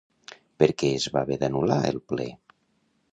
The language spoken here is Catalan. Per què es va haver d'anul·lar el ple?